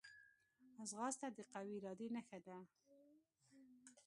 ځغاسته د قوي ارادې نښه ده